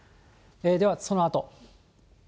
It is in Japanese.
ではそのあと。